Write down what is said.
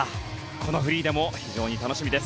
このフリーでも非常に楽しみです。